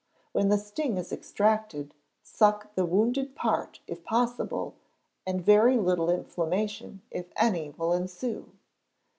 When the sting is extracted, suck the wounded part, if possible, and very little inflammation, if any, will ensue.